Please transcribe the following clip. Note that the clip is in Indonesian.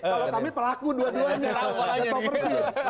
kalau kami pelaku dua duanya